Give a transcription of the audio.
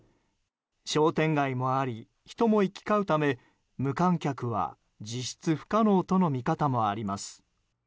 商店街もあり人も行き交うため無観客は実質不可能との見方もあります。